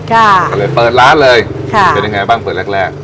ก็เลยเปิดร้านเลยค่ะเป็นยังไงบ้างเปิดแรกแรก